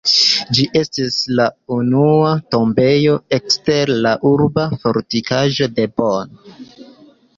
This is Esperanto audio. Ĝi estis la unua tombejo ekster la urba fortikaĵo de Bonn.